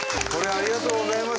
ありがとうございます。